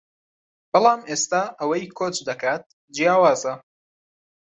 بەڵام ئێستا ئەوەی کۆچ دەکات جیاوازە